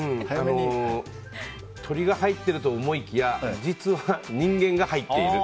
鳥が入ってると思いきや実は人間が入っている。